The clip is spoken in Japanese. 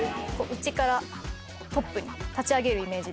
内からトップに立ち上げるイメージで。